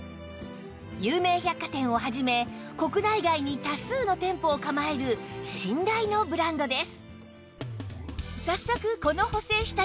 有名百貨店を始め国内外に多数の店舗を構える信頼のブランドです